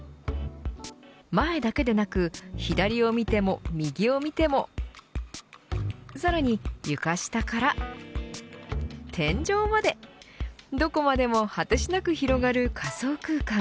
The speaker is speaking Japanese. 前だけでなく左を見ても、右を見てもさらに、床下から天井までどこまでも果てしなく広がる仮想空間。